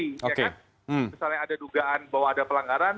misalnya ada dugaan bahwa ada pelanggaran